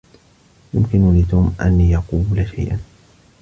يمكن لتوم أن يقول شيئا.